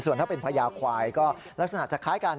ส่วนถ้าเป็นพญาควายก็ลักษณะจะคล้ายกัน